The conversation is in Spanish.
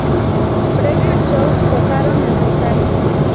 Previo al show tocaron en Rosario.